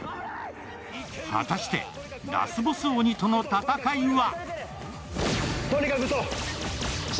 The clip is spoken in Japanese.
果たしてラスボス鬼との戦いは？